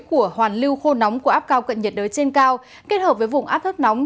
của hoàn lưu khô nóng của áp cao cận nhiệt đới trên cao kết hợp với vùng áp thấp nóng